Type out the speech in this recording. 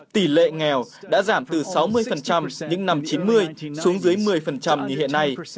tỷ lệ nghèo đã giảm từ sáu mươi những năm chín mươi xuống dưới một mươi như hiện nay